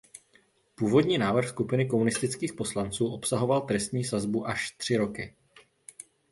Původní návrh skupiny komunistických poslanců obsahoval trestní sazbu až tři roky.